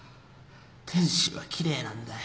天使は奇麗なんだよ。